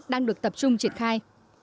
đang được tập trung triển khai